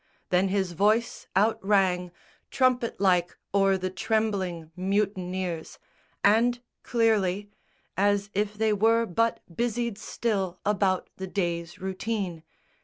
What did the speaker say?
Then his voice out rang Trumpet like o'er the trembling mutineers, And clearly, as if they were but busied still About the day's routine.